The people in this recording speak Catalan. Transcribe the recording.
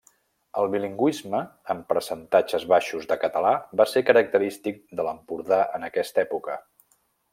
El bilingüisme amb percentatges baixos de català va ser característic de l'Empordà en aquesta època.